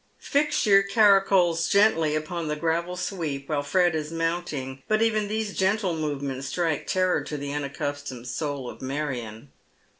Fixture caracoles fCently upon the gravel sweep wliile Fred is mounting, but even tliese frentle movements strike teiTor to the unaccustomed soul of Marion.